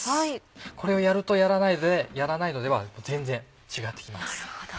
これをやるとやらないのでは全然違って来ます。